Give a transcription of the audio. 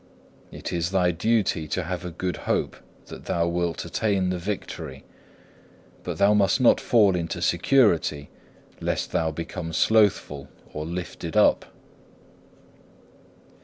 It is thy duty to have a good hope that thou wilt attain the victory, but thou must not fall into security lest thou become slothful or lifted up.